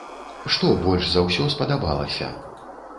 Што больш за ўсё спадабалася?